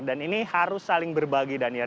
dan ini harus saling berbagi danier